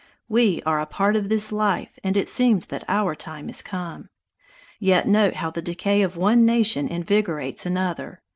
We are a part of this life and it seems that our time is come. "Yet note how the decay of one nation invigorates another.